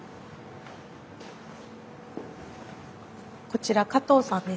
こちら加藤さんです。